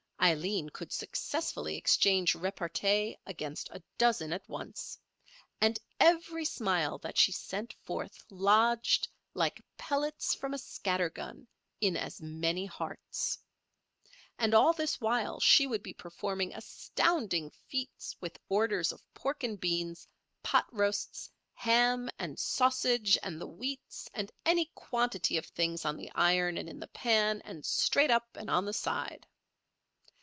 Aileen could successfully exchange repartee against a dozen at once. And every smile that she sent forth lodged, like pellets from a scatter gun, in as many hearts. And all this while she would be performing astounding feats with orders of pork and beans, pot roasts, ham and, sausage and the wheats, and any quantity of things on the iron and in the pan and straight up and on the side.